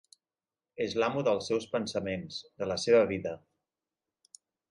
És l'amo dels seus pensaments, de la seva vida.